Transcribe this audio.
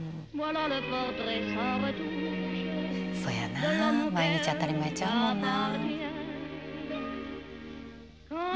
そやな毎日当たり前ちゃうもんな。